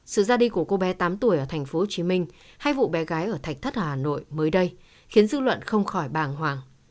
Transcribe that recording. sự ra đi của cô bé tám tuổi ở tp hcm hay vụ bé gái ở thạch thất hà nội mới đây khiến dư luận không khỏi bàng hoàng